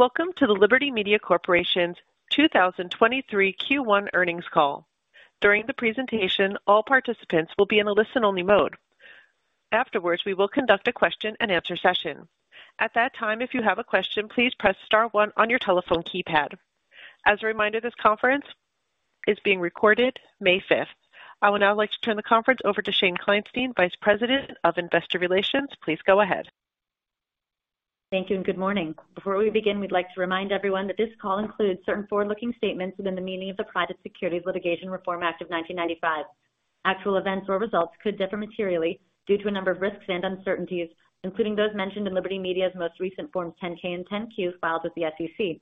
Welcome to the Liberty Media Corporation's 2023 Q1 earnings call. During the presentation, all participants will be in a listen-only mode. Afterwards, we will conduct a question-and-answer session. At that time, if you have a question, please press star one on your telephone keypad. As a reminder, this conference is being recorded May 5th. I would now like to turn the conference over to Shane Kleinstein, Vice President of Investor Relations. Please go ahead. Thank you and good morning. Before we begin, we'd like to remind everyone that this call includes certain forward-looking statements within the meaning of the Private Securities Litigation Reform Act of 1995. Actual events or results could differ materially due to a number of risks and uncertainties, including those mentioned in Liberty Media's most recent Forms 10-K and 10-Q filed with the SEC.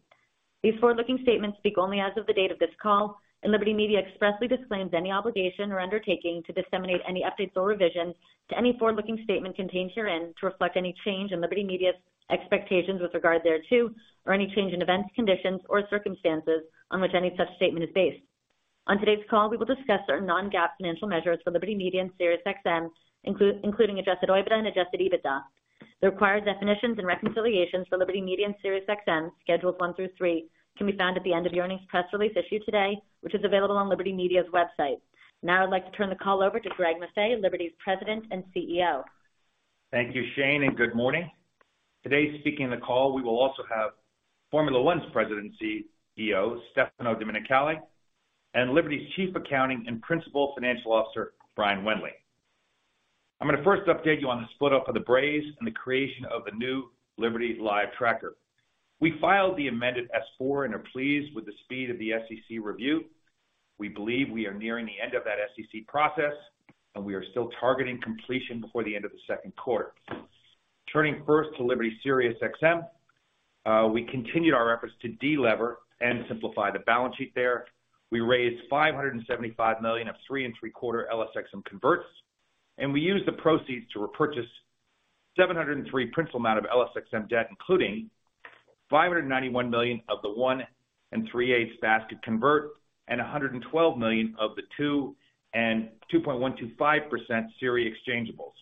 These forward-looking statements speak only as of the date of this call. Liberty Media expressly disclaims any obligation or undertaking to disseminate any updates or revisions to any forward-looking statement contained herein to reflect any change in Liberty Media's expectations with regard thereto, or any change in events, conditions, or circumstances on which any such statement is based. On today's call, we will discuss our non-GAAP financial measures for Liberty Media and SiriusXM, including adjusted OIBDA and adjusted EBITDA. The required definitions and reconciliations for Liberty Media and SiriusXM, Schedules one through three, can be found at the end of the earnings press release issued today, which is available on Liberty Media's website. Now I'd like to turn the call over to Greg Maffei, Liberty's President and CEO. Thank you, Shane. Good morning. Today, speaking on the call, we will also have Formula One's President CEO, Stefano Domenicali, and Liberty's Chief Accounting and Principal Financial Officer, Brian Wendling. I'm gonna first update you on the split off of the Braves and the creation of the new Liberty Live tracker. We filed the amended S-4 and are pleased with the speed of the SEC review. We believe we are nearing the end of that SEC process, and we are still targeting completion before the end of the Q2. Turning first to Liberty SiriusXM, we continued our efforts to de-lever and simplify the balance sheet there. We raised $575 million of three and three-quarter LSXM converts. We used the proceeds to repurchase $703 principal amount of LSXM debt, including $591 million of the one and three-eighths basket convert and $112 million of the 2 and 2.125% SIRI exchangeables.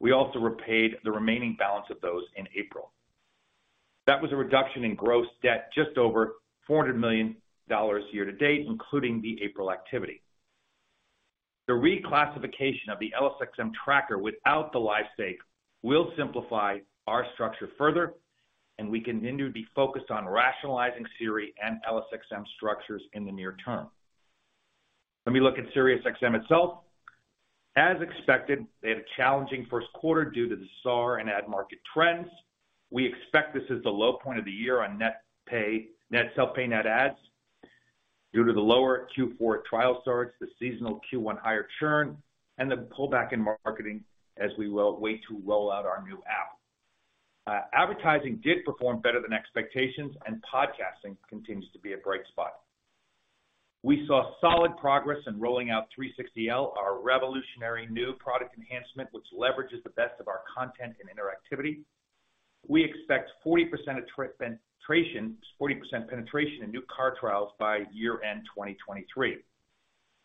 We also repaid the remaining balance of those in April. That was a reduction in gross debt just over $400 million year-to-date, including the April activity. The reclassification of the LSXM tracker without the live stake will simplify our structure further. We continue to be focused on rationalizing SIRI and LSXM structures in the near term. When we look at SiriusXM itself, as expected, they had a challenging Q1 due to the SAR and ad market trends. We expect this as the low point of the year on net self-pay net ads due to the lower Q4 trial starts, the seasonal Q1 higher churn, and the pullback in marketing as we will wait to roll out our new app. Advertising did perform better than expectations. Podcasting continues to be a bright spot. We saw solid progress in rolling out 360L, our revolutionary new product enhancement, which leverages the best of our content and interactivity. We expect 40% penetration in new car trials by year-end 2023.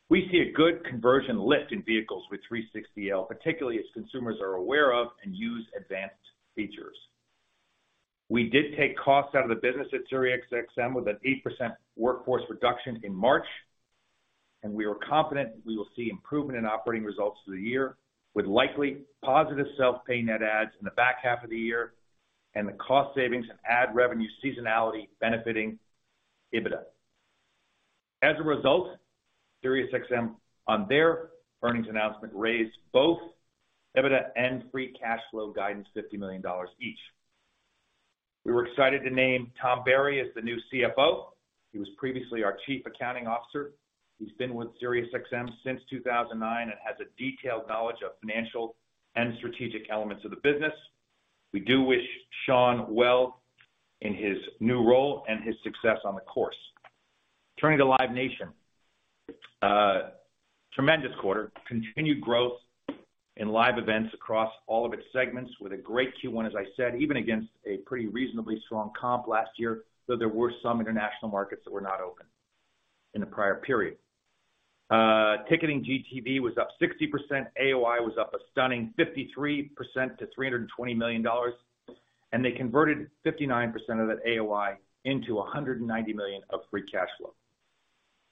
We see a good conversion lift in vehicles with 360L, particularly as consumers are aware of and use advanced features. We did take costs out of the business at SiriusXM with an 8% workforce reduction in March. We are confident we will see improvement in operating results for the year, with likely positive self-pay net adds in the back half of the year and the cost savings and ad revenue seasonality benefiting EBITDA. As a result, SiriusXM, on their earnings announcement, raised both EBITDA and free cash flow guidance $50 million each. We were excited to name Tom Barry as the new CFO. He was previously our Chief Accounting Officer. He's been with SiriusXM since 2009 and has a detailed knowledge of financial and strategic elements of the business. We do wish Sean well in his new role and his success on the course. Turning to Live Nation. Tremendous quarter, continued growth in live events across all of its segments with a great Q1, as I said, even against a pretty reasonably strong comp last year, though there were some international markets that were not open in the prior period. Ticketing GTV was up 60%, AOI was up a stunning 53% to $320 million, and they converted 59% of that AOI into $190 million of free cash flow.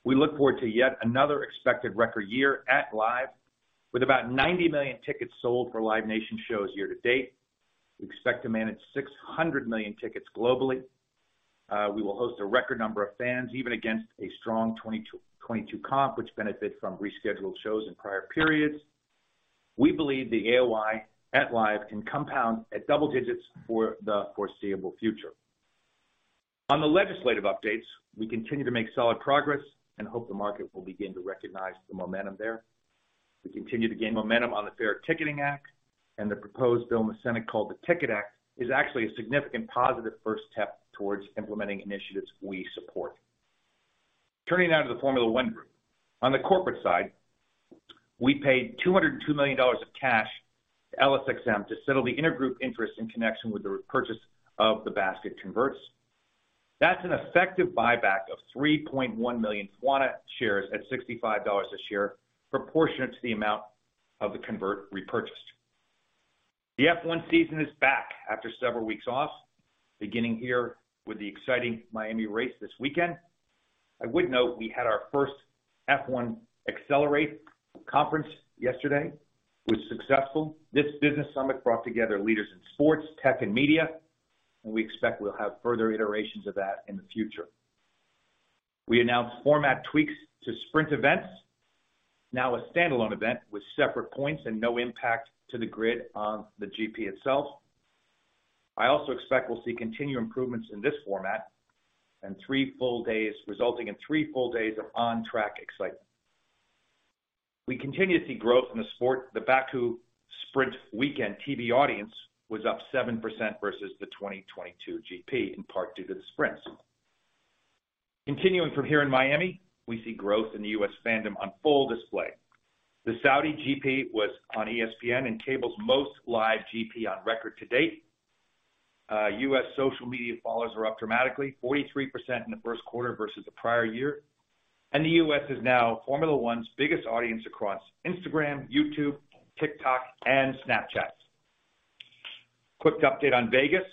We look forward to yet another expected record year at Live, with about 90 million tickets sold for Live Nation shows year to date. We expect to manage 600 million tickets globally. We will host a record number of fans, even against a strong 2022 comp, which benefits from rescheduled shows in prior periods. We believe the AOI at Live can compound at double digits for the foreseeable future. On the legislative updates, we continue to make solid progress and hope the market will begin to recognize the momentum there. We continue to gain momentum on the Fair Ticketing Act and the proposed bill in the Senate called the TICKET Act is actually a significant positive first step towards implementing initiatives we support. Turning now to the Formula One Group. On the corporate side, we paid $202 million of cash to LSXM to settle the intergroup interest in connection with the repurchase of the basket converts. That's an effective buyback of 3.1 million Quanta shares at $65 a share, proportionate to the amount of the convert repurchased. The F1 season is back after several weeks off, beginning here with the exciting Miami race this weekend. I would note we had our first F1 Accelerate conference yesterday. It was successful. This business summit brought together leaders in sports, tech, and media, and we expect we'll have further iterations of that in the future. We announced format tweaks to Sprint events. Now a standalone event with separate points and no impact to the grid on the GP itself. I also expect we'll see continued improvements in this format resulting in three full days of on-track excitement. We continue to see growth in the sport. The Baku Sprint weekend TV audience was up 7% versus the 2022 GP, in part due to the Sprints. Continuing from here in Miami, we see growth in the U.S. fandom on full display. The Saudi GP was on ESPN and cable's most live GP on record to date. U.S. social media followers are up dramatically, 43% in the Q1 versus the prior year. The U.S. is now Formula One's biggest audience across Instagram, YouTube, TikTok, and Snapchat. Quick update on Vegas.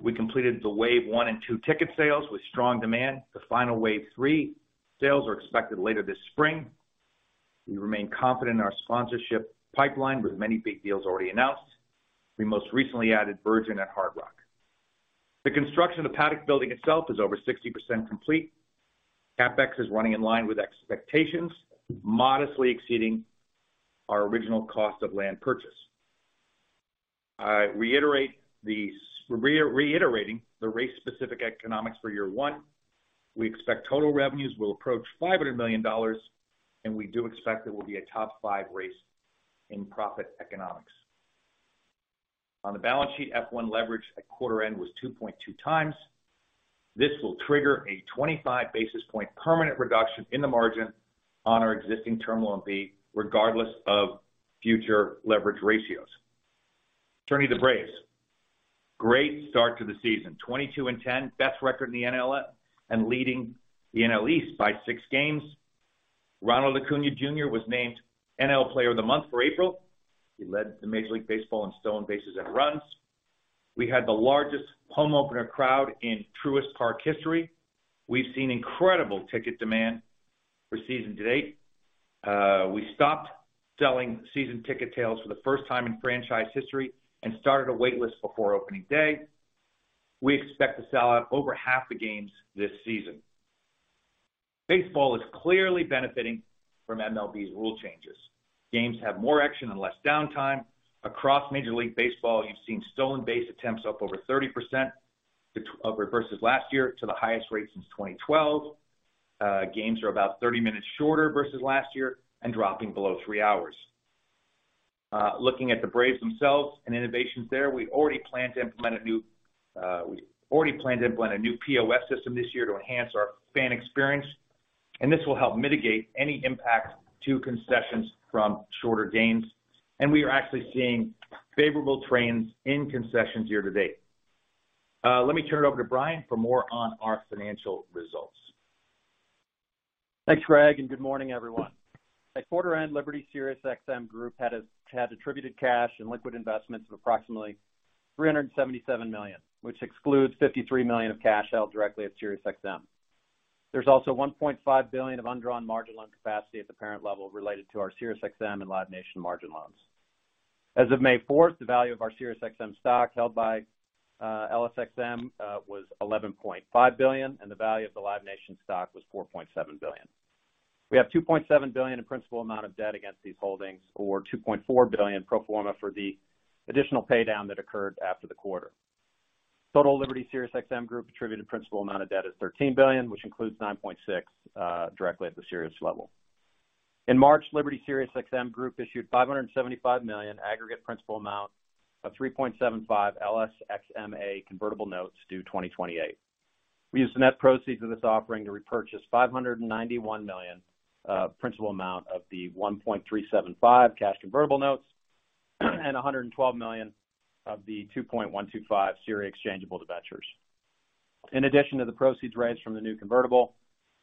We completed the wave 1 and 2 ticket sales with strong demand. The final wave 3 sales are expected later this spring. We remain confident in our sponsorship pipeline, with many big deals already announced. We most recently added Virgin at Hard Rock. The construction of the paddock building itself is over 60% complete. CapEx is running in line with expectations, modestly exceeding our original cost of land purchase. I reiterate the race-specific economics for year 1. We expect total revenues will approach $500 million, and we do expect it will be a top 5 race in profit economics. On the balance sheet, F1 leverage at quarter end was 2.2x. This will trigger a 25 basis point permanent reduction in the margin on our existing Term Loan B, regardless of future leverage ratios. Turning to Braves. Great start to the season. 22 and 10, best record in the NL and leading the NL East by six games. Ronald Acuña Jr. was named NL Player of the Month for April. He led the Major League Baseball in stolen bases and runs. We had the largest home opener crowd in Truist Park history. We've seen incredible ticket demand for season to date. We stopped selling season ticket sales for the first time in franchise history and started a wait list before opening day. We expect to sell out over half the games this season. Baseball is clearly benefiting from MLB's rule changes. Games have more action and less downtime. Across Major League Baseball, you've seen stolen base attempts up over 30% versus last year to the highest rate since 2012. Games are about 30 minutes shorter versus last year and dropping below 3 hours. Looking at the Braves themselves and innovations there, we already plan to implement a new POS system this year to enhance our fan experience, and this will help mitigate any impact to concessions from shorter games. We are actually seeing favorable trends in concessions year to date. Let me turn it over to Brian for more on our financial results. Thanks, Greg. Good morning, everyone. At quarter end, Liberty SiriusXM Group had attributed cash and liquid investments of approximately $377 million, which excludes $53 million of cash held directly at SiriusXM. There's also $1.5 billion of undrawn margin loan capacity at the parent level related to our SiriusXM and Live Nation margin loans. As of May fourth, the value of our SiriusXM stock held by LSXM was $11.5 billion. The value of the Live Nation stock was $4.7 billion. We have $2.7 billion in principal amount of debt against these holdings, or $2.4 billion pro forma for the additional paydown that occurred after the quarter. Total Liberty SiriusXM Group attributed principal amount of debt is $13 billion, which includes $9.6 billion directly at the Sirius level. In March, Liberty SiriusXM Group issued $575 million aggregate principal amount of 3.75 LSXMA convertible notes due 2028. We used the net proceeds of this offering to repurchase $591 million principal amount of the 1.375 cash convertible notes and $112 million of the 2.125 SIRI exchangeable debentures. In addition to the proceeds raised from the new convertible,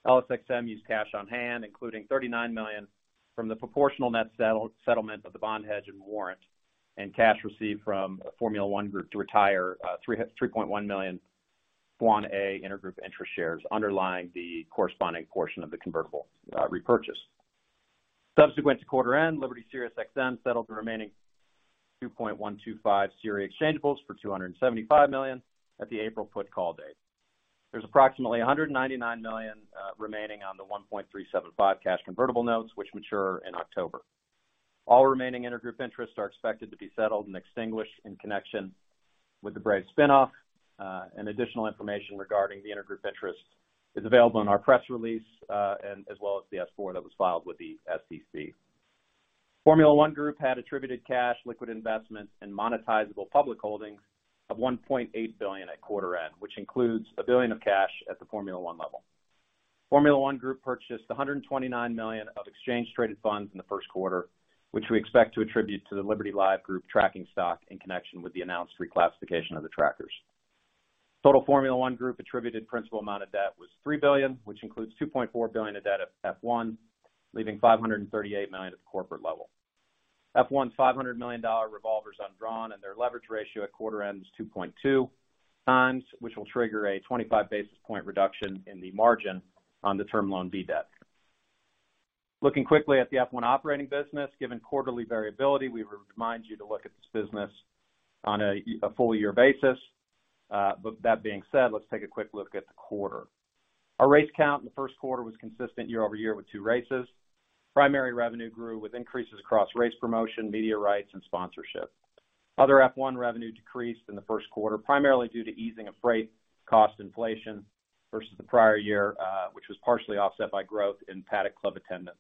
LSXM used cash on hand, including $39 million from the proportional net settlement of the bond hedge and warrant and cash received from Formula One Group to retire $3.1 million Swan A intergroup interest shares underlying the corresponding portion of the convertible repurchase. Subsequent to quarter end, Liberty SiriusXM settled the remaining 2.125 SIRI exchangeables for $275 million at the April put call date. There's approximately $199 million remaining on the 1.375 cash convertible notes, which mature in October. All remaining intergroup interests are expected to be settled and extinguished in connection with the Braves spinoff. Additional information regarding the intergroup interest is available in our press release, as well as the S-4 that was filed with the SEC. Formula One Group had attributed cash, liquid investments, and monetizable public holdings of $1.8 billion at quarter end, which includes $1 billion of cash at the Formula One level. Formula One Group purchased $129 million of exchange traded funds in the Q1, which we expect to attribute to the Liberty Live Group tracking stock in connection with the announced reclassification of the trackers. Total Formula One Group attributed principal amount of debt was $3 billion, which includes $2.4 billion of debt at F1, leaving $538 million at the corporate level. F1's $500 million revolver is undrawn, and their leverage ratio at quarter end is 2.2 times, which will trigger a 25 basis point reduction in the margin on the Term Loan B debt. Looking quickly at the F1 operating business. Given quarterly variability, we remind you to look at this business on a full year basis. That being said, let's take a quick look at the quarter. Our race count in the Q1 was consistent year-over-year with 2 races. Primary revenue grew with increases across race promotion, media rights, and sponsorship. Other F1 revenue decreased in the Q1, primarily due to easing of freight cost inflation versus the prior year, which was partially offset by growth in Paddock Club attendance.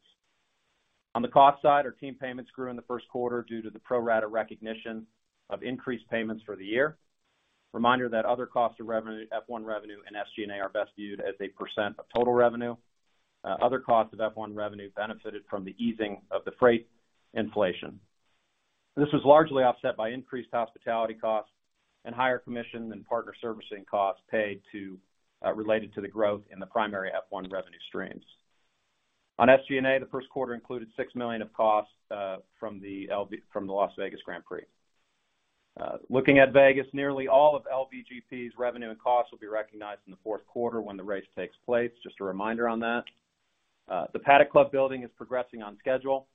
On the cost side, our team payments grew in the Q1 due to the pro rata recognition of increased payments for the year. Reminder that other costs of revenue, F1 revenue, and SG&A are best viewed as a % of total revenue. Other costs of F1 revenue benefited from the easing of the freight inflation. This was largely offset by increased hospitality costs and higher commission than partner servicing costs paid to related to the growth in the primary F1 revenue streams. On SG&A, the Q1 included $6 million of costs from the Las Vegas Grand Prix. Looking at Vegas, nearly all of LVGP's revenue and costs will be recognized in the Q4 when the race takes place. Just a reminder on that. The Paddock Club building is progressing on schedule.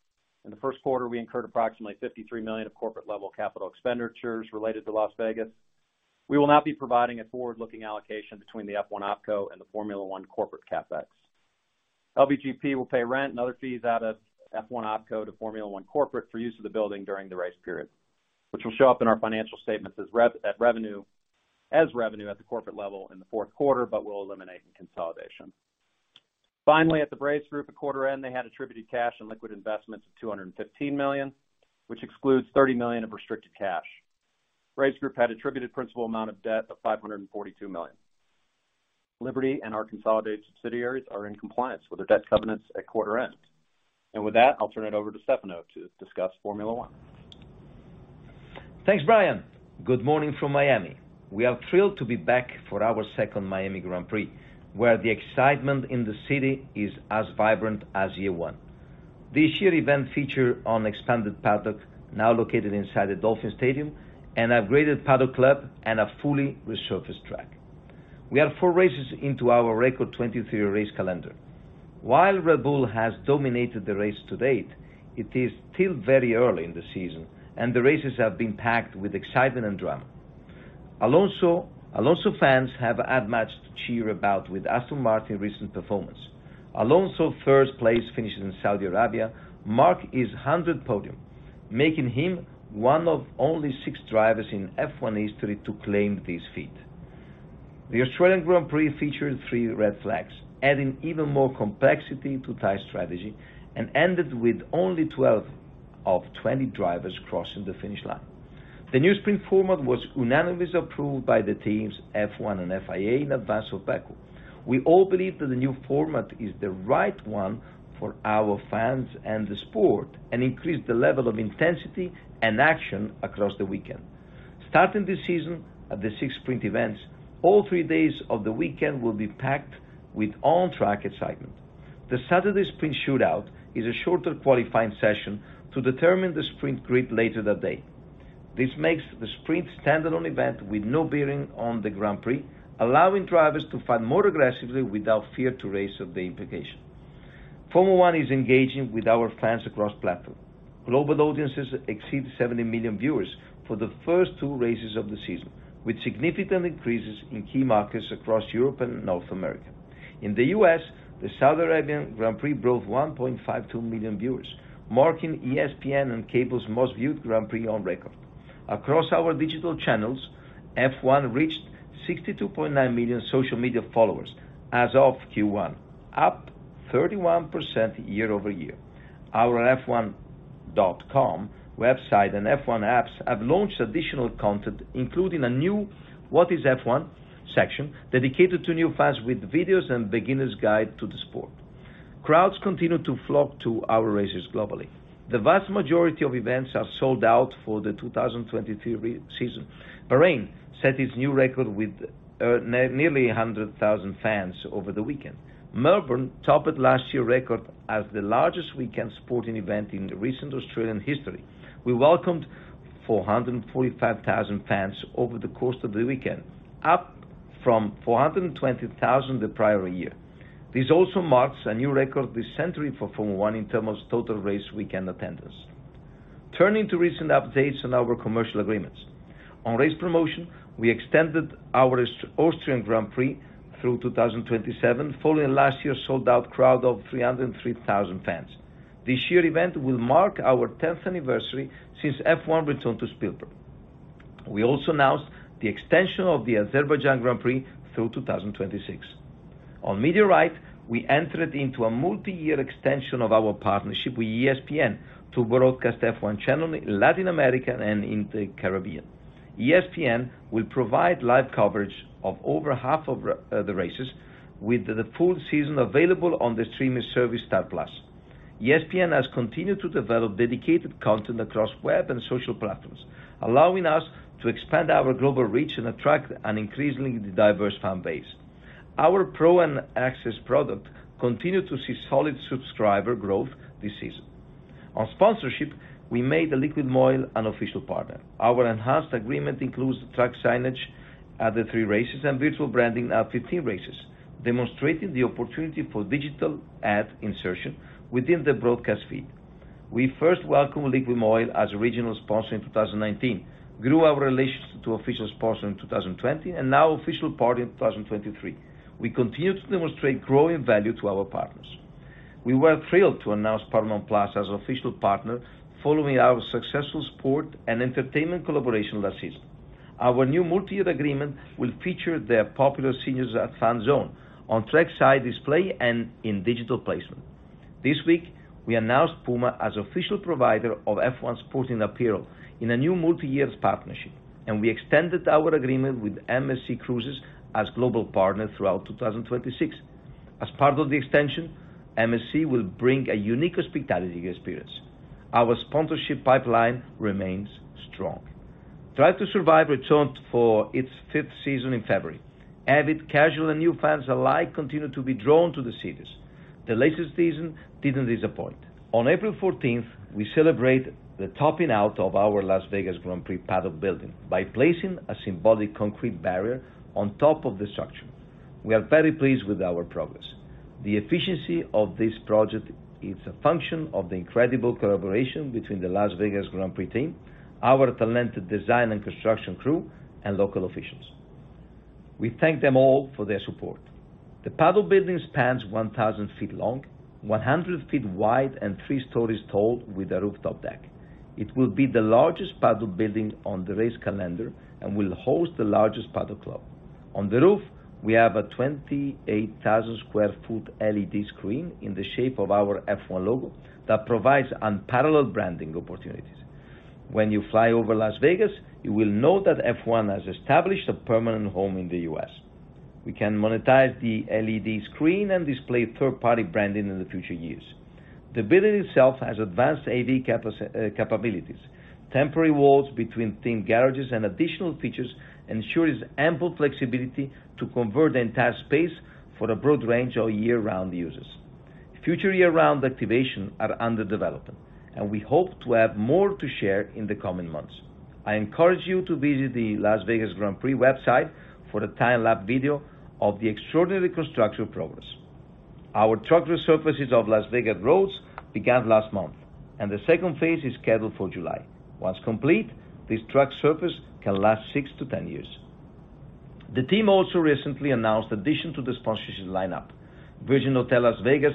In the Q1, we incurred approximately $53 million of corporate-level capital expenditures related to Las Vegas. We will now be providing a forward-looking allocation between the F1 OpCo and the Formula One corporate CapEx. LVGP will pay rent and other fees out of F1 OpCo to Formula One corporate for use of the building during the race period. Which will show up in our financial statements as revenue at the corporate level in the Q4, but will eliminate in consolidation. At the Race Group at quarter end, they had attributed cash and liquid investments of $215 million, which excludes $30 million of restricted cash. Race Group had attributed principal amount of debt of $542 million. Liberty and our consolidated subsidiaries are in compliance with their debt covenants at quarter end. With that, I'll turn it over to Stefano to discuss Formula One. Thanks, Brian. Good morning from Miami. We are thrilled to be back for our second Miami Grand Prix, where the excitement in the city is as vibrant as year one. This year event feature on expanded paddock, now located inside the Dolphin Stadium, an upgraded Paddock Club, and a fully resurfaced track. We are 4 races into our record 23 race calendar. While Red Bull has dominated the race to date, it is still very early in the season, and the races have been packed with excitement and drama. Alonso fans have had much to cheer about with Aston Martin recent performance. Alonso first place finishes in Saudi Arabia mark his 100th podium, making him 1 of only 6 drivers in F1 history to claim this feat. The Australian Grand Prix featured three red flags, adding even more complexity to tire strategy, and ended with only 12 of 20 drivers crossing the finish line. The new Sprint format was unanimously approved by the teams F1 and FIA in advance of Baku. We all believe that the new format is the right one for our fans and the sport, and increase the level of intensity and action across the weekend. Starting this season at the sixth Sprint events, all three days of the weekend will be packed with on-track excitement. The Saturday Sprint Shootout is a shorter qualifying session to determine the Sprint grid later that day. This makes the Sprint standalone event with no bearing on the Grand Prix, allowing drivers to fight more aggressively without fear of the implication. Formula One is engaging with our fans across platform. Global audiences exceed 70 million viewers for the first 2 races of the season, with significant increases in key markets across Europe and North America. In the U.S., the Saudi Arabian Grand Prix broke 1.52 million viewers, marking ESPN and cable's most viewed Grand Prix on record. Across our digital channels, F1 reached 62.9 million social media followers as of Q1, up 31% year-over-year. Our F1.com website and F1 apps have launched additional content, including a new What is F1 section dedicated to new fans with videos and beginner's guide to the sport. Crowds continue to flock to our races globally. The vast majority of events are sold out for the 2023 season. Bahrain set its new record with nearly 100,000 fans over the weekend. Melbourne topped last year record as the largest weekend sporting event in the recent Australian history. We welcomed 445,000 fans over the course of the weekend, up from 420,000 the prior year. This also marks a new record this century for Formula One in terms of total race weekend attendance. Turning to recent updates on our commercial agreements. On race promotion, we extended our Austrian Grand Prix through 2027, following last year's sold-out crowd of 303,000 fans. This year event will mark our 10th anniversary since F1 returned to Spielberg. We also announced the extension of the Azerbaijan Grand Prix through 2026. On media rights, we entered into a multi-year extension of our partnership with ESPN to broadcast F1 channel in Latin America and in the Caribbean. ESPN will provide live coverage of over half of the races with the full season available on the streaming service Star+. ESPN has continued to develop dedicated content across web and social platforms, allowing us to expand our global reach and attract an increasingly diverse fan base. Our Pro and Access product continued to see solid subscriber growth this season. On sponsorship, we made LIQUI MOLY an official partner. Our enhanced agreement includes track signage at the 3 races and virtual branding at 15 races, demonstrating the opportunity for digital ad insertion within the broadcast feed. We first welcomed LIQUI MOLY as a regional sponsor in 2019, grew our relations to official sponsor in 2020, now official partner in 2023. We continue to demonstrate growing value to our partners. We were thrilled to announce Paramount+ as official partner following our successful sport and entertainment collaboration last season. Our new multi-year agreement will feature their popular seniors at Fan Zone on trackside display and in digital placement. This week, we announced PUMA as official provider of F1 sporting apparel in a new multi-years partnership. We extended our agreement with MSC Cruises as global partner throughout 2026. As part of the extension, MSC will bring a unique hospitality experience. Our sponsorship pipeline remains strong. Formula 1: Drive to Survive returned for its 5th season in February. Avid, casual, and new fans alike continue to be drawn to the series. The latest season didn't disappoint. On April 14th, we celebrate the topping out of our Las Vegas Grand Prix Paddock building by placing a symbolic concrete barrier on top of the structure. We are very pleased with our progress. The efficiency of this project is a function of the incredible collaboration between the Las Vegas Grand Prix team, our talented design and construction crew, and local officials. We thank them all for their support. The Paddock building spans 1,000 feet long, 100 feet wide, and three stories tall with a rooftop deck. It will be the largest Paddock building on the race calendar and will host the largest Paddock Club. On the roof, we have a 28,000 sq ft LED screen in the shape of our F1 logo that provides unparalleled branding opportunities. When you fly over Las Vegas, you will know that F1 has established a permanent home in the U.S. We can monetize the LED screen and display third-party branding in the future years. The building itself has advanced AV capabilities. Temporary walls between team garages and additional features ensures ample flexibility to convert the entire space for a broad range of year-round users. Future year-round activation are under development, and we hope to have more to share in the coming months. I encourage you to visit the Las Vegas Grand Prix website for a time-lapse video of the extraordinary construction progress. Our truck resurfaces of Las Vegas roads began last month, and the second phase is scheduled for July. Once complete, this truck surface can last 6-10 years. The team also recently announced addition to the sponsorship lineup. Virgin Hotels Las Vegas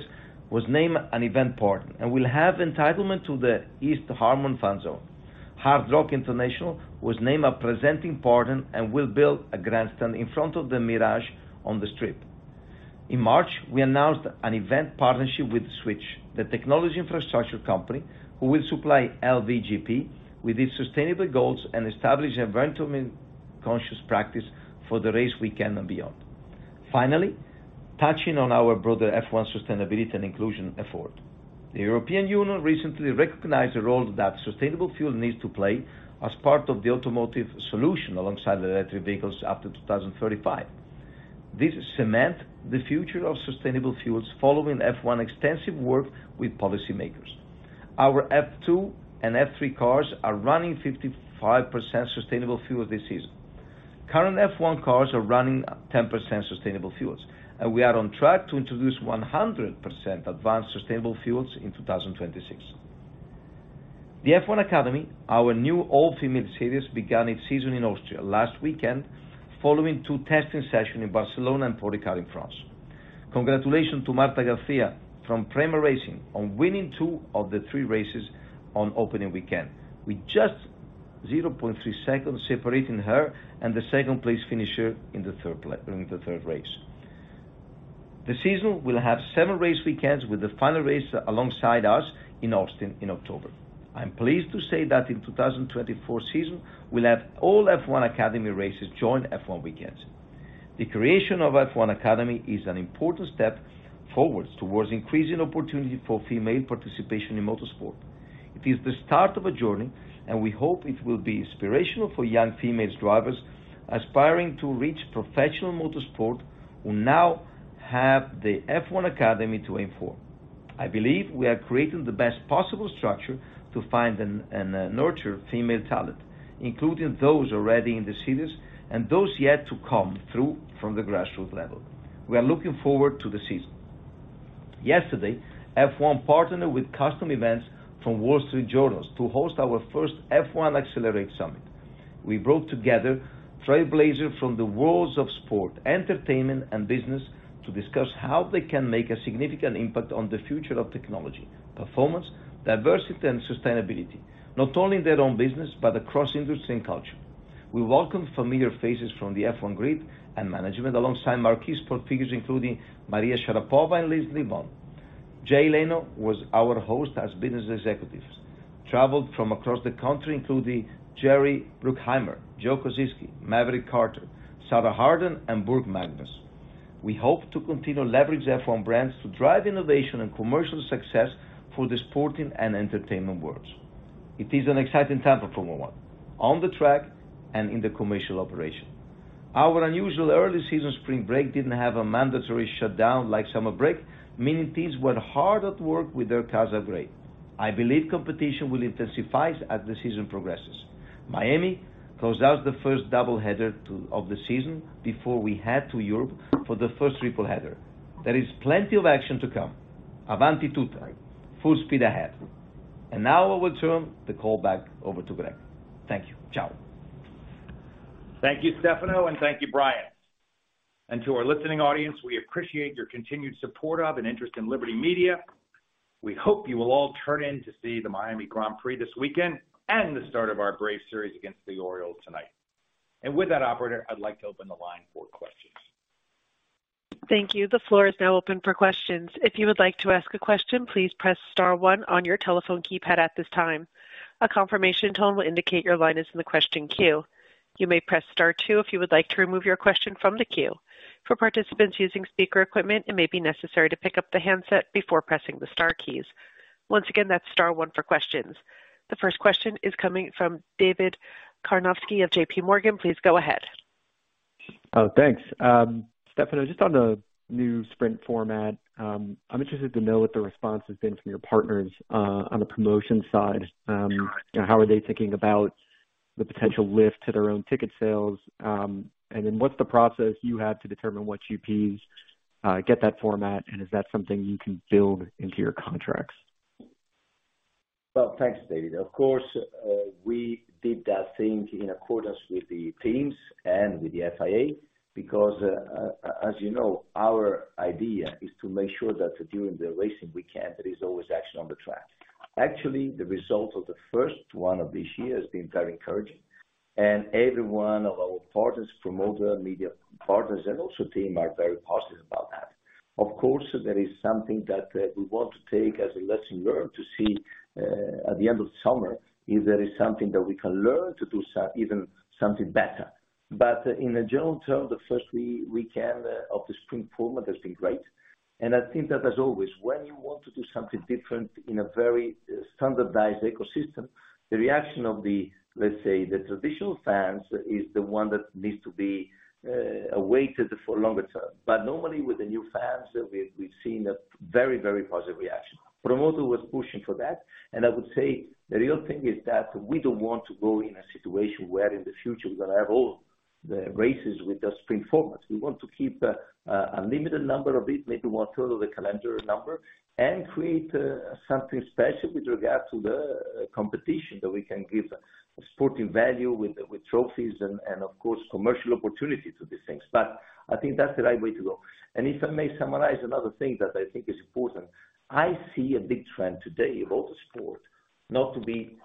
was named an event partner and will have entitlement to the East Harmon Zone. Hard Rock International was named a presenting partner and will build a grandstand in front of the Mirage on the strip. In March, we announced an event partnership with Switch, the technology infrastructure company, who will supply LVGP with its sustainable goals and establish environmental conscious practice for the race weekend and beyond. Touching on our broader F1 sustainability and inclusion effort. The European Union recently recognized the role that sustainable fuel needs to play as part of the automotive solution alongside the electric vehicles up to 2035. This cement the future of sustainable fuels following F1 extensive work with policymakers. Our F2 and F3 cars are running 55% sustainable fuel this season. Current F1 cars are running at 10% sustainable fuels, and we are on track to introduce 100% advanced sustainable fuels in 2026. The F1 Academy, our new all-female series, began its season in Austria last weekend, following 2 testing session in Barcelona and Paul Ricard in France. Congratulations to Marta García from PREMA Racing on winning 2 of the 3 races on opening weekend, with just 0.3 seconds separating her and the second place finisher in the third race. The season will have 7 race weekends with the final race alongside us in Austin in October. I'm pleased to say that in 2024 season, we'll have all F1 Academy races join F1 weekends. The creation of F1 Academy is an important step forwards towards increasing opportunity for female participation in motorsport. It is the start of a journey, and we hope it will be inspirational for young female drivers aspiring to reach professional motorsport who now have the F1 Academy to aim for. I believe we are creating the best possible structure to find and nurture female talent, including those already in the series and those yet to come through from the grassroots level. We are looking forward to the season. Yesterday, F1 partnered with Custom Events from Wall Street Journal to host our first F1 Accelerate Summit. We brought together trailblazers from the worlds of sport, entertainment, and business to discuss how they can make a significant impact on the future of technology, performance, diversity, and sustainability, not only in their own business, but across industry and culture. We welcome familiar faces from the F1 Grid and management alongside marquee sport figures including Maria Sharapova and Alizé Lim. Jay Leno was our host as business executives. Traveled from across the country, including Jerry Bruckheimer, Joseph Kosinski, Maverick Carter, Sarah Harden, and Burke Magnus. We hope to continue to leverage the F1 brands to drive innovation and commercial success for the sporting and entertainment worlds. It is an exciting time for Formula One, on the track and in the commercial operation. Our unusual early season spring break didn't have a mandatory shutdown like summer break, meaning teams were hard at work with their cars at gray. I believe competition will intensify as the season progresses. Miami closed out the first double header of the season before we head to Europe for the first triple header. There is plenty of action to come. Avanti Tutta. Full speed ahead. Now I will turn the call back over to Greg. Thank you. Ciao. Thank you, Stefano, and thank you, Brian. To our listening audience, we appreciate your continued support of and interest in Liberty Media. We hope you will all turn in to see the Miami Grand Prix this weekend and the start of our Braves series against the Orioles tonight. With that operator, I'd like to open the line for questions. Thank you. The floor is now open for questions. If you would like to ask a question, please press star one on your telephone keypad at this time. A confirmation tone will indicate your line is in the question queue. You may press star two if you would like to remove your question from the queue. For participants using speaker equipment, it may be necessary to pick up the handset before pressing the star keys. Once again, that's star one for questions. The first question is coming from David Karnovsky of J.P. Morgan. Please go ahead. Thanks. Stefano, just on the new sprint format, I'm interested to know what the response has been from your partners on the promotion side. How are they thinking about the potential lift to their own ticket sales? What's the process you have to determine what GPs get that format? Is that something you can build into your contracts? Well, thanks, David. Of course, we did that thing in accordance with the teams and with the FIA, because, as you know, our idea is to make sure that during the racing weekend, there is always action on the track. Actually, the result of the first one of this year has been very encouraging, and every one of our partners, promoter, media partners and also team are very positive about that. Of course, there is something that, we want to take as a lesson learned to see, at the end of summer, if there is something that we can learn to do even something better. In general terms, the first weekend of the Sprint format has been great, I think that as always, when you want to do something different in a very standardized ecosystem, the reaction of the, let's say, the traditional fans is the one that needs to be awaited for longer term. Normally with the new fans, we've seen a very, very positive reaction. promoter was pushing for that. I would say the real thing is that we don't want to go in a situation where in the future we're gonna have all the races with the Sprint format. We want to keep a limited number of it, maybe 1/3 of the calendar number, and create something special with regard to the competition that we can give sporting value with trophies and of course, commercial opportunity to these things. I think that's the right way to go. If I may summarize another thing that I think is important, I see a big trend today about the sport not to be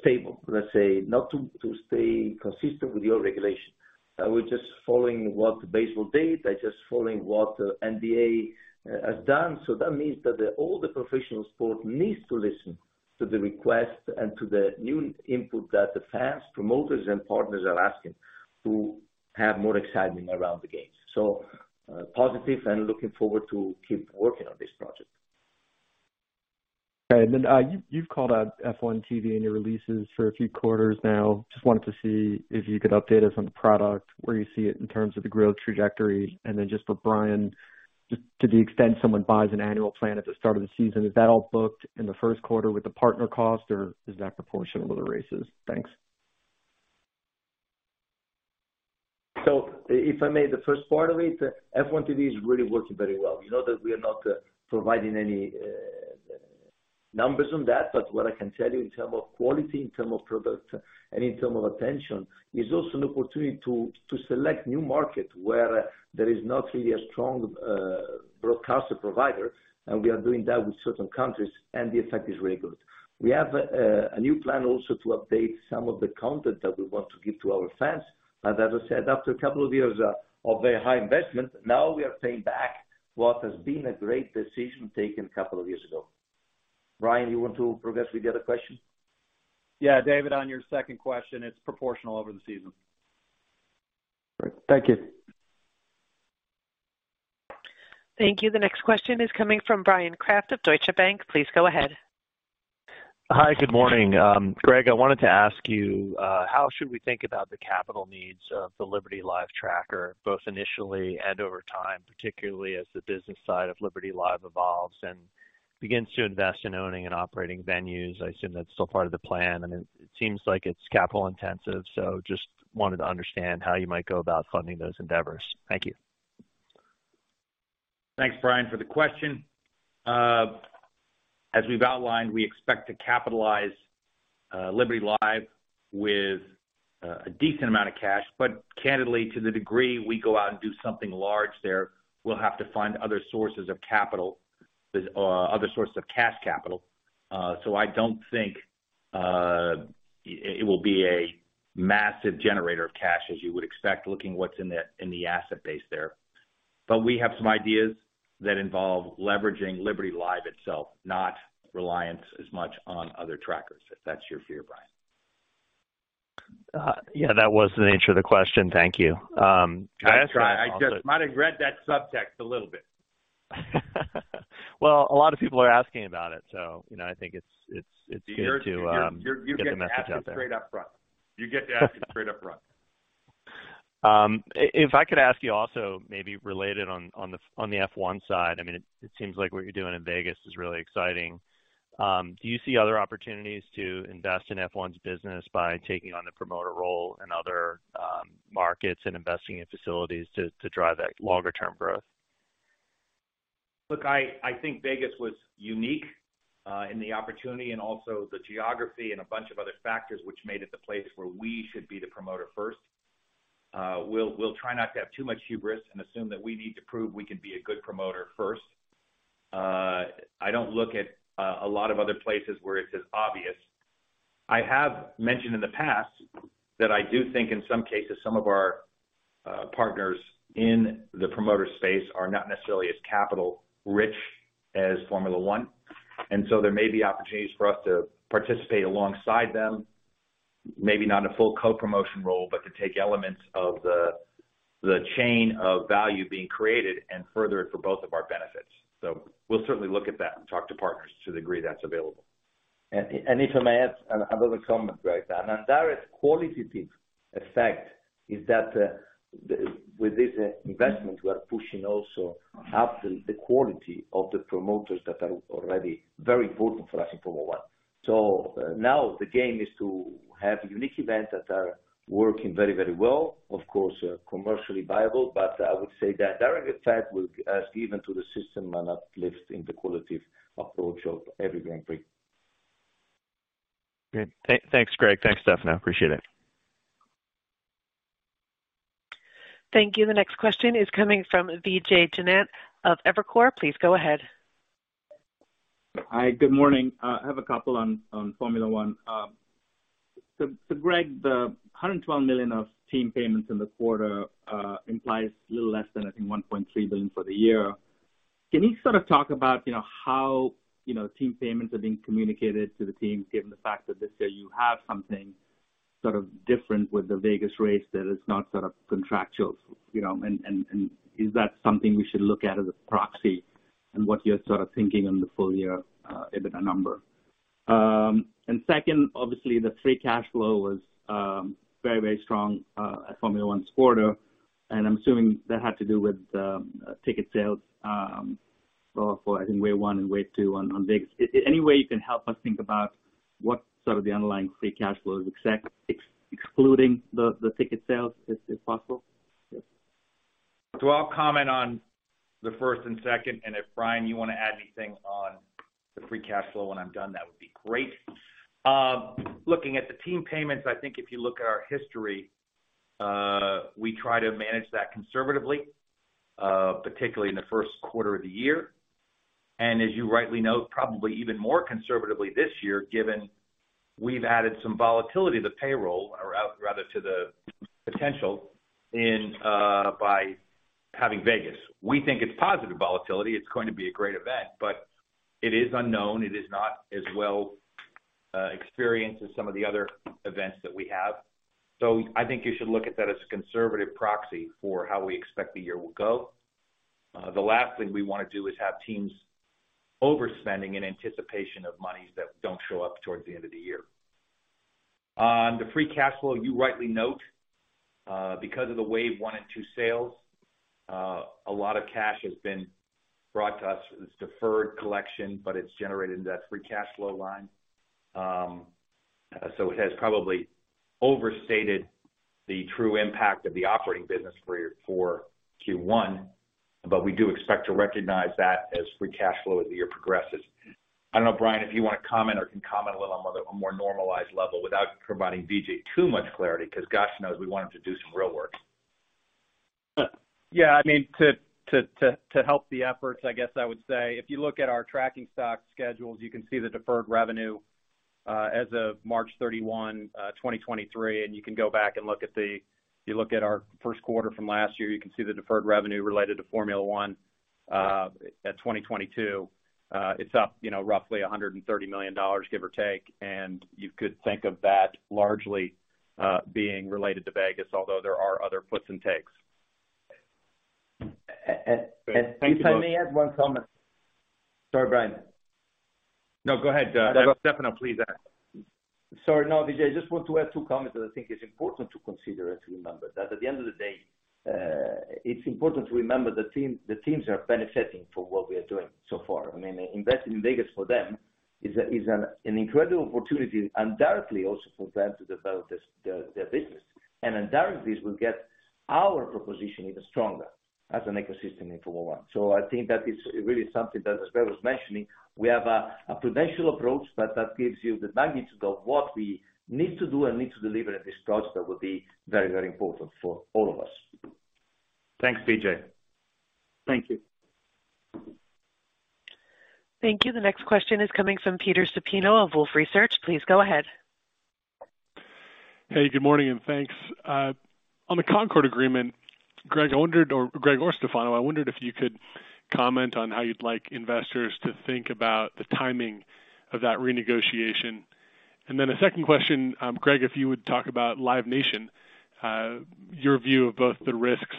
stable, let's say, not to stay consistent with your regulation. We're just following what baseball did. They're just following what NBA has done. That means that all the professional sport needs to listen to the request and to the new input that the fans, promoters and partners are asking to have more excitement around the games. Positive and looking forward to keep working on this project. You've called out F1 TV in your releases for a few quarters now. Just wanted to see if you could update us on the product, where you see it in terms of the growth trajectory. Just for Brian, to the extent someone buys an annual plan at the start of the season, is that all booked in the Q1 with the partner cost, or is that proportional to the races? Thanks. If I may, the first part of it, F1 TV is really working very well. You know that we are not providing any numbers on that. What I can tell you in term of quality, in term of product and in term of attention, is also an opportunity to select new markets where there is not really a strong broadcaster provider. We are doing that with certain countries and the effect is really good. We have a new plan also to update some of the content that we want to give to our fans. As I said, after a couple of years of very high investment, now we are paying back what has been a great decision taken a couple of years ago. Brian, you want to progress with the other question? Yeah. David, on your second question, it's proportional over the season. Great. Thank you. Thank you. The next question is coming from Bryan Kraft of Deutsche Bank. Please go ahead. Hi. Good morning. Greg, I wanted to ask you, how should we think about the capital needs of the Liberty Live Group, both initially and over time, particularly as the business side of Liberty Live Group evolves and begins to invest in owning and operating venues? I assume that's still part of the plan, and it seems like it's capital intensive. Just wanted to understand how you might go about funding those endeavors. Thank you. Thanks, Brian, for the question. As we've outlined, we expect to capitalize Liberty Live with a decent amount of cash, but candidly, to the degree we go out and do something large there, we'll have to find other sources of capital, other sources of cash capital. I don't think it will be a massive generator of cash as you would expect, looking what's in the asset base there. We have some ideas that involve leveraging Liberty Live itself, not reliance as much on other trackers, if that's your fear, Brian. Yeah, that was the nature of the question. Thank you. I asked it also. I try. I just might have read that subtext a little bit. A lot of people are asking about it, you know, I think it's good to get the message out there. You're, you get to ask it straight up front. You get to ask it straight up front. If I could ask you also, maybe related on the F1 side, I mean, it seems like what you're doing in Vegas is really exciting. Do you see other opportunities to invest in F1's business by taking on the promoter role in other markets and investing in facilities to drive that longer term growth? Look, I think Vegas was unique in the opportunity and also the geography and a bunch of other factors which made it the place where we should be the promoter first. We'll try not to have too much hubris and assume that we need to prove we can be a good promoter first. I don't look at a lot of other places where it's as obvious. I have mentioned in the past that I do think in some cases, some of our partners in the promoter space are not necessarily as capital rich as Formula One. There may be opportunities for us to participate alongside them. Maybe not in a full co-promotion role, but to take elements of the chain of value being created and further it for both of our benefits. We'll certainly look at that and talk to partners to the degree that's available. If I may add another comment, Greg, an indirect qualitative effect is that with this investment, we are pushing also up the quality of the promoters that are already very important for us in Formula One. Now the game is to have unique events that are working very, very well, of course, commercially viable, but I would say that direct effect will be as given to the system an uplift in the quality approach of every Grand Prix. Great. Thanks, Greg. Thanks, Stefano. Appreciate it. Thank you. The next question is coming from Vijay Jayant of Evercore. Please go ahead. Hi. Good morning. I have a couple on Formula One. Greg, the $112 million of team payments in the quarter implies a little less than, I think, $1.3 billion for the year. Can you sort of talk about, you know, how, you know, team payments are being communicated to the teams, given the fact that this year you have something sort of different with the Vegas race that is not sort of contractual? You know, is that something we should look at as a proxy in what you're sort of thinking on the full year EBITDA number? Second, obviously the free cash flow was very, very strong at Formula One's quarter, and I'm assuming that had to do with ticket sales for I think wave one and wave two on Vegas. Any way you can help us think about what sort of the underlying free cash flow is excluding the ticket sales, if possible? I'll comment on the first and second, and if Brian Wendling, you wanna add anything on the free cash flow when I'm done, that would be great. Looking at the team payments, I think if you look at our history, we try to manage that conservatively, particularly in the Q1 of the year. As you rightly note, probably even more conservatively this year, given we've added some volatility to payroll or rather to the potential in by having Vegas. We think it's positive volatility. It's going to be a great event, but it is unknown. It is not as well experienced as some of the other events that we have. I think you should look at that as a conservative proxy for how we expect the year will go. The last thing we wanna do is have teams overspending in anticipation of monies that don't show up towards the end of the year. On the free cash flow, you rightly note, because of the wave one and two sales, a lot of cash has been brought to us. It's deferred collection, but it's generated into that free cash flow line. It has probably overstated the true impact of the operating business for Q1, but we do expect to recognize that as free cash flow as the year progresses. I don't know, Brian, if you wanna comment or can comment a little on a more normalized level without providing Vijay too much clarity, 'cause gosh knows we want him to do some real work. Yeah. I mean, to help the efforts, I guess I would say if you look at our tracking stock schedules, you can see the deferred revenue as of March 31, 2023, and you can go back and If you look at our Q1 from last year, you can see the deferred revenue related to Formula One at 2022. It's up, you know, roughly $130 million, give or take. You could think of that largely being related to Vegas, although there are other puts and takes. If I may add one comment. Sorry, Brian. No, go ahead. Stefano, please add. Sorry. No, Vijay, I just want to add 2 comments that I think is important to consider and to remember. That at the end of the day, it's important to remember the team, the teams are benefiting for what we are doing so far. I mean, investing in Vegas for them is an incredible opportunity and directly also for them to develop their business. Indirectly, this will get our proposition even stronger as an ecosystem in Formula One. I think that is really something that, as Greg was mentioning, we have a prudential approach, but that gives you the magnitude of what we need to do and need to deliver in this project that will be very, very important for all of us. Thanks, Vijay. Thank you. Thank you. The next question is coming from Peter Supino of Wolfe Research. Please go ahead. Hey, good morning, and thanks. On the Concorde Agreement, Greg, I wondered or Greg or Stefano, I wondered if you could comment on how you'd like investors to think about the timing of that renegotiation. Then a second question, Greg, if you would talk about Live Nation, your view of both the risks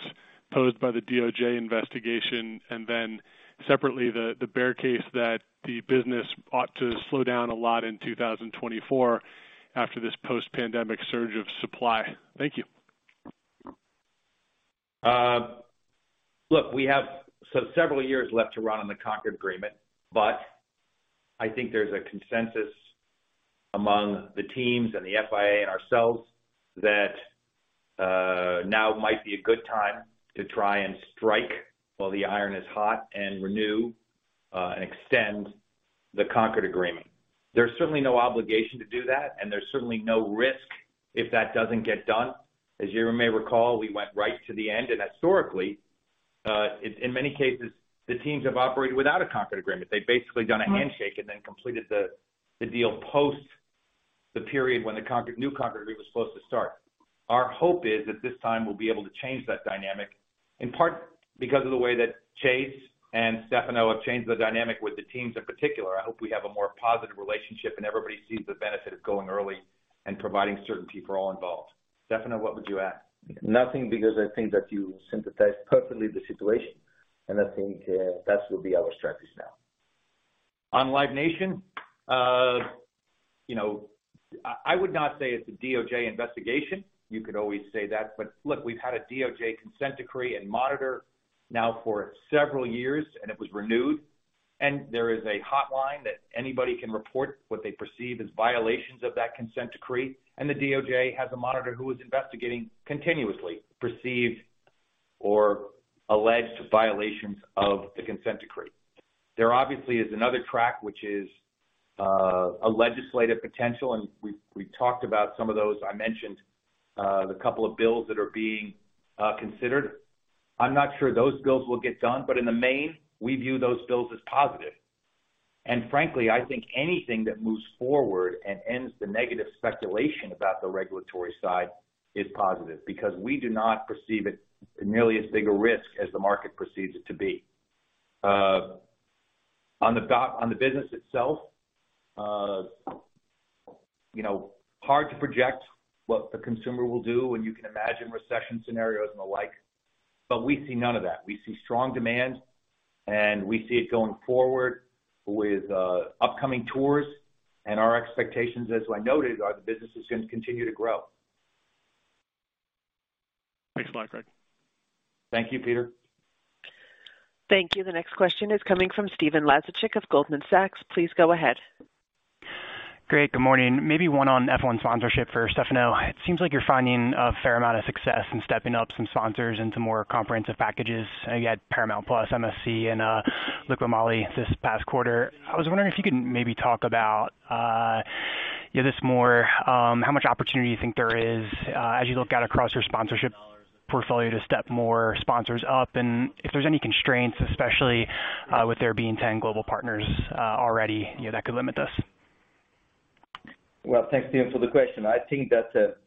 posed by the DOJ investigation and then separately the bear case that the business ought to slow down a lot in 2024 after this post-pandemic surge of supply. Thank you. Look, we have several years left to run on the Concorde Agreement. I think there's a consensus among the teams and the FIA and ourselves that now might be a good time to try and strike while the iron is hot and renew and extend the Concorde Agreement. There's certainly no obligation to do that, and there's certainly no risk if that doesn't get done. As you may recall, we went right to the end. Historically, in many cases, the teams have operated without a Concorde Agreement. They've basically done a handshake and then completed the deal post the period when the new Concorde Agreement was supposed to start. Our hope is that this time we'll be able to change that dynamic, in part because of the way that Chase and Stefano have changed the dynamic with the teams in particular. I hope we have a more positive relationship and everybody sees the benefit of going early and providing certainty for all involved. Stefano, what would you add? Nothing, because I think that you synthesized perfectly the situation, and I think, that will be our strategy now. On Live Nation, you know, I would not say it's a DOJ investigation. You could always say that, but look, we've had a DOJ consent decree and monitor now for several years, and it was renewed. There is a hotline that anybody can report what they perceive as violations of that consent decree. The DOJ has a monitor who is investigating continuously perceived or alleged violations of the consent decree. There obviously is another track which is a legislative potential, and we've talked about some of those. I mentioned the couple of bills that are being considered. I'm not sure those bills will get done, but in the main, we view those bills as positive. Frankly, I think anything that moves forward and ends the negative speculation about the regulatory side is positive because we do not perceive it nearly as big a risk as the market perceives it to be. On the business itself, you know, hard to project what the consumer will do when you can imagine recession scenarios and the like, but we see none of that. We see strong demand, and we see it going forward with upcoming tours. Our expectations, as I noted, are the business is going to continue to grow. Thanks a lot, Greg. Thank you, Peter. Thank you. The next question is coming from Stephen Laszczyk of Goldman Sachs. Please go ahead. Great. Good morning. Maybe one on F1 sponsorship for Stefano. It seems like you're finding a fair amount of success in stepping up some sponsors into more comprehensive packages. You had Paramount+, MSC, and LIQUI MOLY this past quarter. I was wondering if you could maybe talk about, you know, this more, how much opportunity you think there is, as you look out across your sponsorship portfolio to step more sponsors up and if there's any constraints, especially, with there being 10 global partners already, you know, that could limit this. Thanks, Stephen, for the question. I think that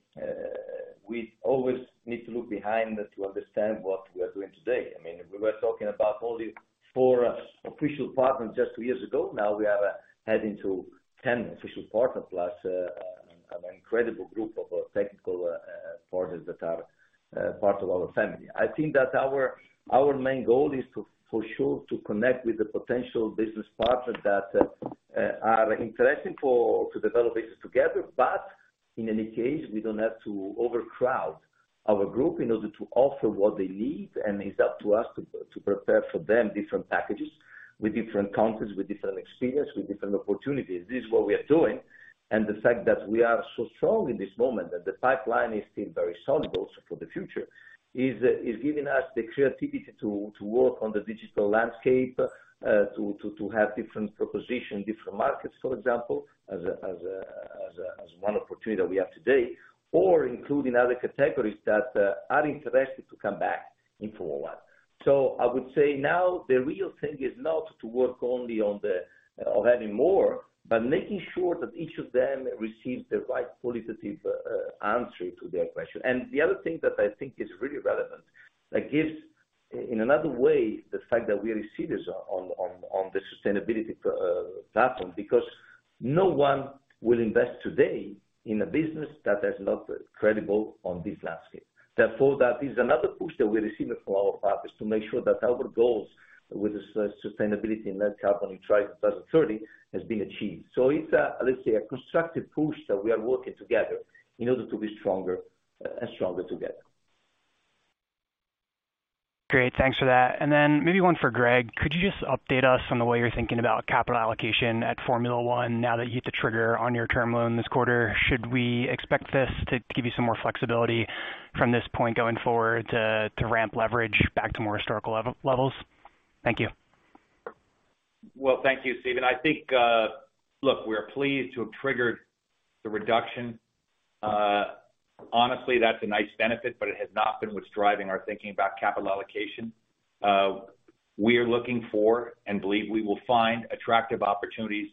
we always need to look behind to understand what we are doing today. I mean, we were talking about only 4 official partners just 2 years ago. Now we are heading to 10 official partners, plus an incredible group of technical partners that are part of our family. I think that our main goal is to, for sure, to connect with the potential business partners that are interesting to develop business together. In any case, we don't have to overcrowd our group in order to offer what they need, and it's up to us to prepare for them different packages with different contents, with different experience, with different opportunities. This is what we are doing. The fact that we are so strong in this moment that the pipeline is still very solid also for the future is giving us the creativity to work on the digital landscape, to have different proposition, different markets, for example, as one opportunity we have today, or including other categories that are interested to come back in Formula One. I would say now the real thing is not to work only on adding more, but making sure that each of them receives the right qualitative answer to their question. The other thing that I think is really relevant that gives in another way the fact that we are serious on the sustainability platform, because no one will invest today in a business that is not credible on this landscape. That is another push that we receive from our partners to make sure that our goals with the sustainability net capital in trying 2030 has been achieved. It's a, let's say, a constructive push that we are working together in order to be stronger and stronger together. Great. Thanks for that. Maybe one for Greg. Could you just update us on the way you're thinking about capital allocation at Formula One now that you hit the trigger on your term loan this quarter? Should we expect this to give you some more flexibility from this point going forward to ramp leverage back to more historical levels? Thank you. Well, thank you, Stephen. I think look, we are pleased to have triggered the reduction. Honestly, that's a nice benefit, but it has not been what's driving our thinking about capital allocation. We are looking for and believe we will find attractive opportunities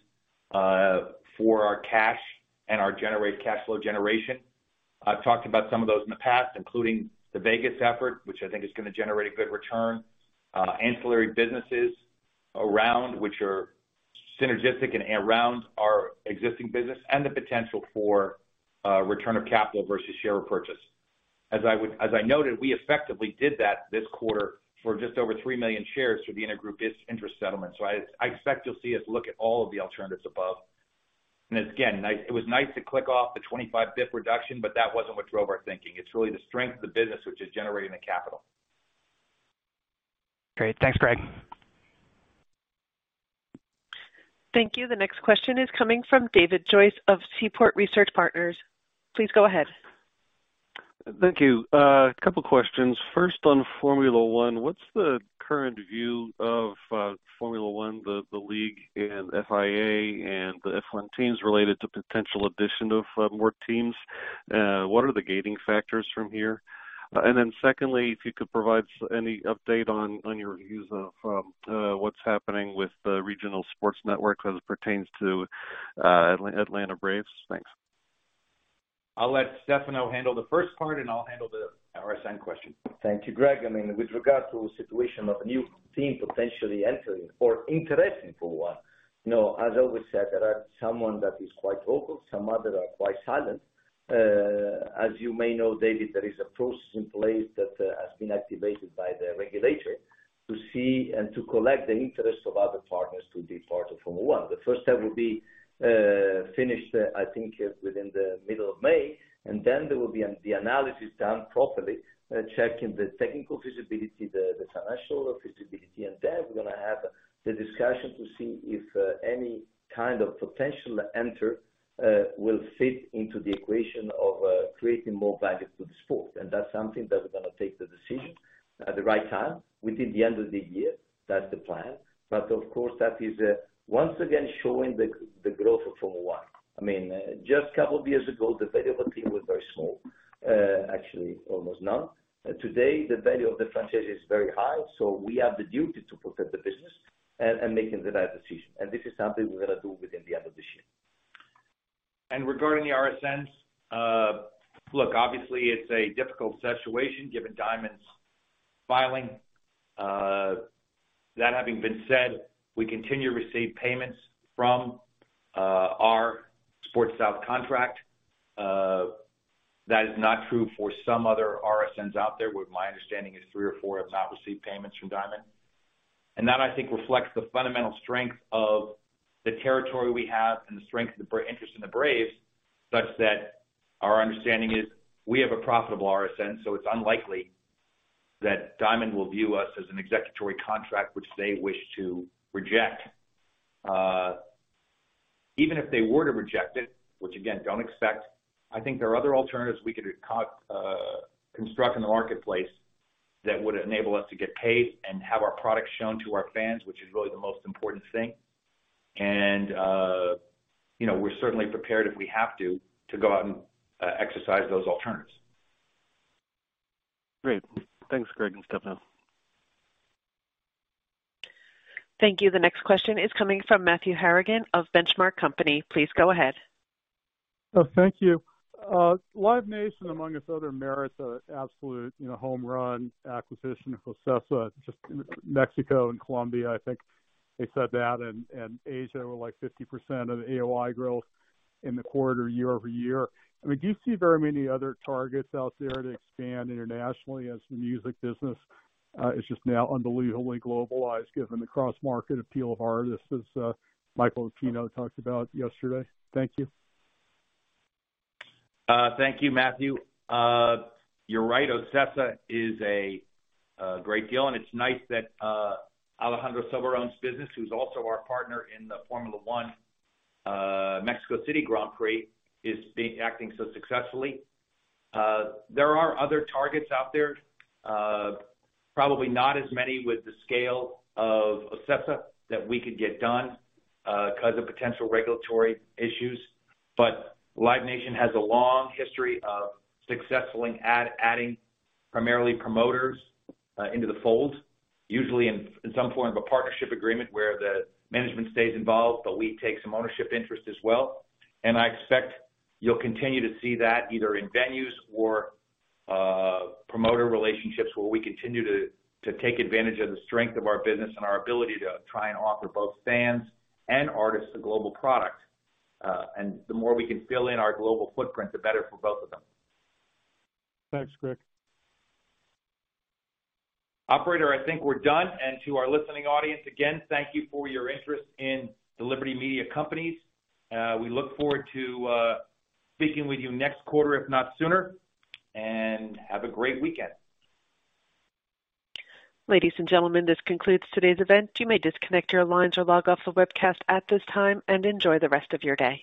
for our cash and our generate cash flow generation. I've talked about some of those in the past, including the Vegas effort, which I think is gonna generate a good return. Ancillary businesses around which are synergistic and around our existing business and the potential for return of capital versus share repurchase. As I noted, we effectively did that this quarter for just over 3 million shares for the intergroup interest settlement. I expect you'll see us look at all of the alternatives above. Again, it was nice to click off the 25 basis points reduction, but that wasn't what drove our thinking. It's really the strength of the business which is generating the capital. Great. Thanks, Greg. Thank you. The next question is coming from David Joyce of Seaport Research Partners. Please go ahead. Thank you. A couple questions. First, on Formula One, what's the current view of Formula One, the league and FIA and the F1 teams related to potential addition of more teams? What are the gating factors from here? Then secondly, if you could provide any update on your views of what's happening with the regional sports network as it pertains to Atlanta Braves. Thanks. I'll let Stefano handle the first part, and I'll handle the RSN question. Thank you, Greg. I mean, with regard to the situation of a new team potentially entering or interesting Formula One, you know, as always said, there are someone that is quite vocal, some other are quite silent. As you may know, David, there is a process in place that has been activated by the regulator to see and to collect the interest of other partners to be part of Formula One. The first step will be finished, I think it's within the middle of May, then there will be the analysis done properly, checking the technical feasibility, the financial feasibility. Then we're gonna have the discussion to see if any kind of potential enter will fit into the equation of creating more value to the sport. That's something that we're gonna take the decision at the right time within the end of the year. That's the plan. Of course, that is once again showing the growth of Formula One. I mean, just couple years ago, the value of a team was very small, actually almost none. Today, the value of the franchise is very high, so we have the duty to protect the business and making the right decision. This is something we're gonna do within the end of this year. Regarding the RSNs, look, obviously it's a difficult situation given Diamond's filing. That having been said, we continue to receive payments from our Sports South contract. That is not true for some other RSNs out there, where my understanding is 3 or 4 have not received payments from Diamond. That, I think, reflects the fundamental strength of the territory we have and the strength, the interest in the Braves, such that our understanding is we have a profitable RSN, so it's unlikely that Diamond will view us as an executory contract which they wish to reject. Even if they were to reject it, which again, don't expect, I think there are other alternatives we could construct in the marketplace that would enable us to get paid and have our products shown to our fans, which is really the most important thing. You know, we're certainly prepared, if we have to go out and exercise those alternatives. Great. Thanks, Greg and Stefano. Thank you. The next question is coming from Matthew Harrigan of The Benchmark Company. Please go ahead. Thank you. Live Nation, among its other merits, absolute, you know, home run acquisition of OCESA, just Mexico and Colombia, I think they said that, and Asia were, like, 50% of the AOI growth in the quarter year-over-year. I mean, do you see very many other targets out there to expand internationally as the music business, is just now unbelievably globalized given the cross-market appeal of artists, as Michael Altino talked about yesterday? Thank you. Thank you, Matthew. You're right, OCESA is a great deal, and it's nice that Alejandro Soberón's business, who's also our partner in the Formula One, Mexico City Grand Prix, is acting so successfully. There are other targets out there. Probably not as many with the scale of OCESA that we could get done, 'cause of potential regulatory issues. Live Nation has a long history of successfully adding primarily promoters, into the fold, usually in some form of a partnership agreement where the management stays involved, but we take some ownership interest as well. I expect you'll continue to see that either in venues or promoter relationships where we continue to take advantage of the strength of our business and our ability to try and offer both fans and artists a global product. The more we can fill in our global footprint, the better for both of them. Thanks, Greg. Operator, I think we're done. To our listening audience, again, thank you for your interest in the Liberty Media companies. We look forward to speaking with you next quarter, if not sooner. Have a great weekend. Ladies and gentlemen, this concludes today's event. You may disconnect your lines or log off the webcast at this time, and enjoy the rest of your day.